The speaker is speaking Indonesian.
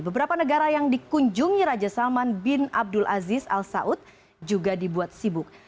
beberapa negara yang dikunjungi raja salman bin abdul aziz al saud juga dibuat sibuk